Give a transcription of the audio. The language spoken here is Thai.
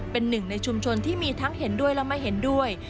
เป็นหนึ่งในชุมชนที่มีทั้งเห็นด้วยและไม่เห็นด้วย